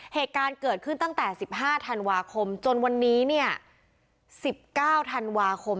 เหตุการณ์เกิดขึ้นตั้งแต่๑๕ธันวาคมจนวันนี้เนี่ย๑๙ธันวาคม